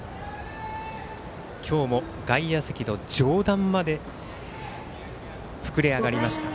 今日も外野席の上段まで膨れ上がりました。